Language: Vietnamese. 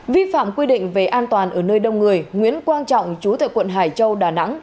vi phạm quy định về an toàn ở nơi đông người nguyễn quang trọng chú tại quận hải châu đà nẵng